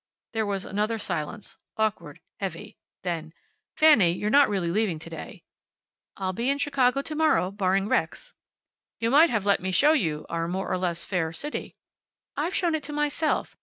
There was another silence, awkward, heavy. Then, "Fanny, you're not really leaving to day?" "I'll be in Chicago to morrow, barring wrecks." "You might have let me show you our more or less fair city." "I've shown it to myself.